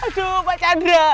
aduh pak chandra